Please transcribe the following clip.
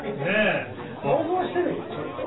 想像してみちょっと。